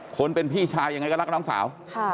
คนเป็นพี่ชายยังไงก็รักน้องสาว